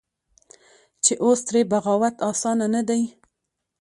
چې اوس ترې بغاوت اسانه نه دى.